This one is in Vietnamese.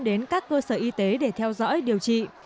đến các cơ sở y tế để theo dõi điều trị